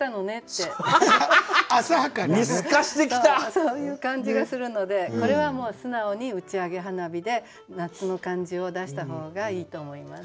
そういう感じがするのでこれはもう素直に「打ち上げ花火」で夏の感じを出した方がいいと思います。